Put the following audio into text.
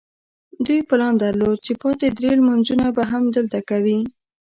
دوی پلان درلود چې پاتې درې لمونځونه به هم دلته کوي.